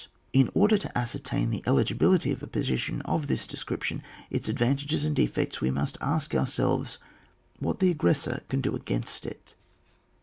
In order to ascertain the eligibOity of a position of this description, its advan tages and defects, we must ask ourselves what the aggp^essor can do against it.